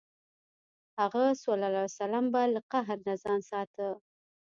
هغه ﷺ به له قهر نه ځان ساته.